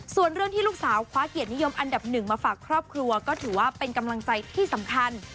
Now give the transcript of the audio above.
ส่วนเรื่องที่ลูกสาวคว้าเกียรตินิยมอันดับหนึ่งมาฝากครอบครัวก็ถือว่าเป็นกำลังใจที่สำคัญ